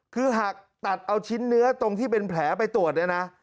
คือหากตัดเอาชิ้นเนื้อตรงที่เป็นแผลไปตรวจเนี่ยนะ